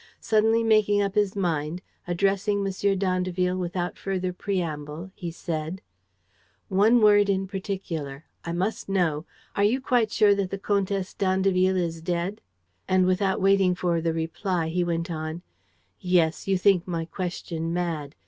Suddenly making up his mind, addressing M. d'Andeville without further preamble, he said: "One word in particular. ... I must know. ... Are you quite sure that the Comtesse d'Andeville is dead?" And without waiting for the reply, he went on: "Yes, you think my question mad.